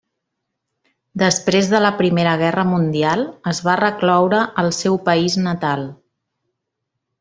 Després de la Primera Guerra Mundial, es va recloure al seu país natal.